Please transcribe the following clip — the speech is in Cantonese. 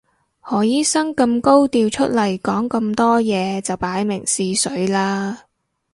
何醫生咁高調出嚟講咁多嘢就擺明試水啦